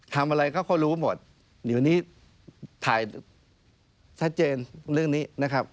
ทำอะไรก็เขารู้หมดเดี๋ยวนี้ถ่ายชัดเจนเรื่องนี้นะครับ